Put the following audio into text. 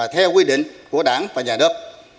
theo quy định của đảng và nhà nước